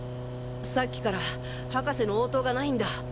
さっきから博士の応答がないんだ。